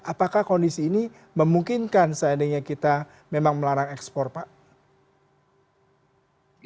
apakah kondisi ini memungkinkan seandainya kita memang melarang ekspor pak